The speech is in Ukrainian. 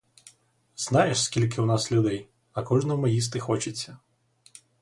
Знаєш, скільки у нас людей, а кожному їсти хочеться.